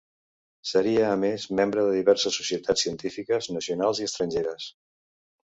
Seria a més membre de diverses societats científiques nacionals i estrangeres.